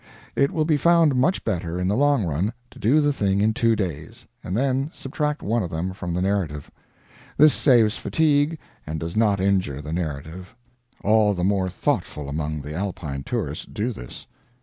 It will be found much better, in the long run, to do the thing in two days, and then subtract one of them from the narrative. This saves fatigue, and does not injure the narrative. All the more thoughtful among the Alpine tourists do this.